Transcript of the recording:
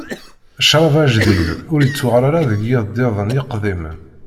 Ccṛab ajdid ur ittuɣal ara deg iyeddiden iqdimen.